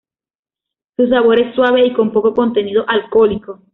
Su sabor es suave y con poco contenido alcohólico.